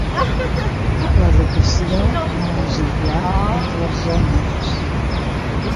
L'educació no és igual entre els gèneres.